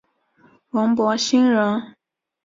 王柏心人。